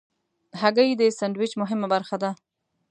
هګۍ د سندویچ مهمه برخه ده.